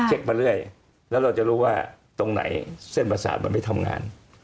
มาเรื่อยแล้วเราจะรู้ว่าตรงไหนเส้นประสาทมันไม่ทำงาน